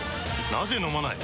なぜ飲まない？